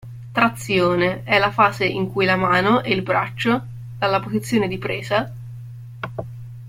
Trazione: è la fase in cui la mano (e il braccio) dalla posizione di presa.